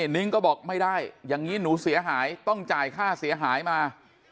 นิ้งก็บอกไม่ได้อย่างนี้หนูเสียหายต้องจ่ายค่าเสียหายมา